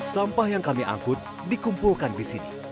sampah yang kami angkut dikumpulkan di sini